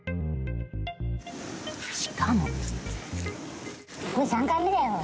しかも。